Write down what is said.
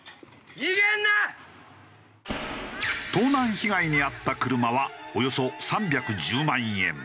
盗難被害に遭った車はおよそ３１０万円。